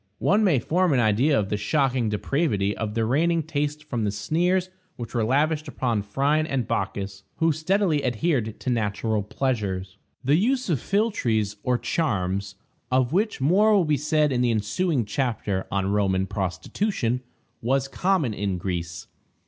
One may form an idea of the shocking depravity of the reigning taste from the sneers which were lavished upon Phryne and Bacchis, who steadily adhered to natural pleasures. The use of philtres, or charms (of which more will be said in the ensuing chapter on Roman prostitution), was common in Greece.